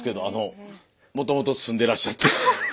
あのもともと住んでらっしゃって。